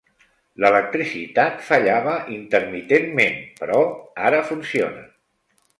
L'electricitat fallava intermitentment, però ara funciona.